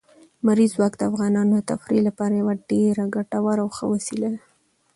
لمریز ځواک د افغانانو د تفریح لپاره یوه ډېره ګټوره او ښه وسیله ده.